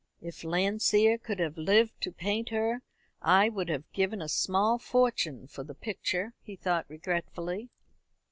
"If Landseer could have lived to paint her, I would have given a small fortune for the picture," he thought regretfully.